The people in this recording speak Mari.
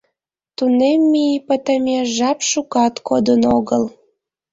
Тунемме ий пытымеш жап шукат кодын огыл.